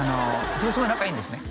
すごい仲いいんですね